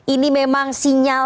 ini memang singkat